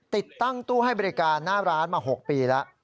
ติดตั้งตู้ให้บริการหน้าร้านมา๖ปีแล้ว